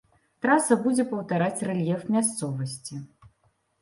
Траса будзе паўтараць рэльеф мясцовасці.